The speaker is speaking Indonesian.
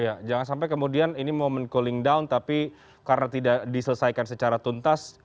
ya jangan sampai kemudian ini momen cooling down tapi karena tidak diselesaikan secara tuntas